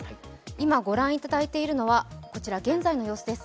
今御覧いただいているのは現在の様子です。